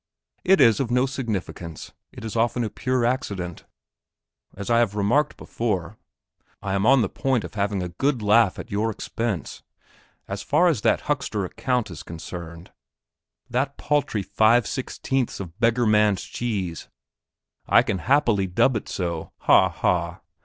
It is of no significance, it is often a pure accident. As I have remarked before, I am on the point of having a good laugh at your expense. As far as that huckster account is concerned, that paltry five sixteenths of beggar man's cheese, I can happily dub it so. Ha, ha!